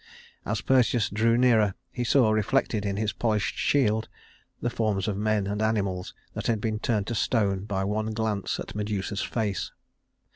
As Perseus drew nearer he saw, reflected in his polished shield, the forms of men and animals that had been turned to stone by one glance at Medusa's face.